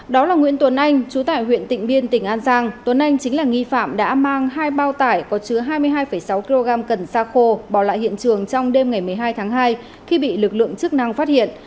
đó là nguyễn tuấn anh chú tải huyện tịnh biên tỉnh an giang tuấn anh chính là nghi phạm đã mang hai bao tải có chứa hai mươi hai sáu kg cần xa khô bỏ lại hiện trường trong đêm ngày một mươi hai tháng hai khi bị lực lượng chức năng phát hiện